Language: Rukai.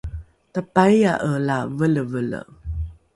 tapaia’e la velevele